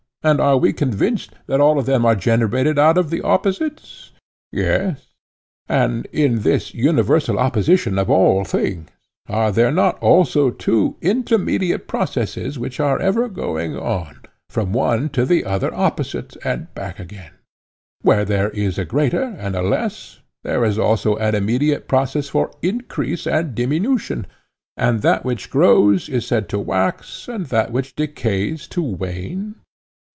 and are we convinced that all of them are generated out of opposites? Yes. And in this universal opposition of all things, are there not also two intermediate processes which are ever going on, from one to the other opposite, and back again; where there is a greater and a less there is also an intermediate process of increase and diminution, and that which grows is said to wax, and that which decays to wane?